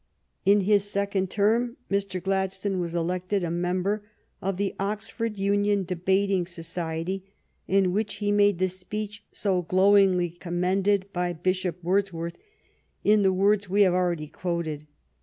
In his second term Mr. Gladstone was elected a member of the Oxford Union Debating Society, in which he made the speech so j^ S^ glowingly commended by Bishop SBj^^H Wordsworth in the words we ^^P^^ have already quoted.